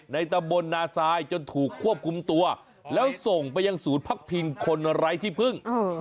ในตะบนนาซายจนถูกควบคุมตัวแล้วส่งไปยังสูดพักพิงคนอะไรที่เพิ่ง